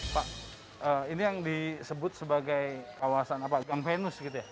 pak ini yang disebut sebagai gang venus gitu ya